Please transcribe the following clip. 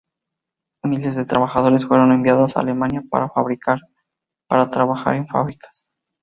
Miles de trabajadores fueron enviados a Alemania para trabajar en fábricas.